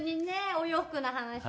お洋服の話で」